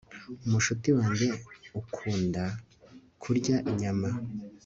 umushuti wanjye ukunda kurya inyama